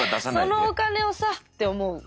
そのお金をさって思う。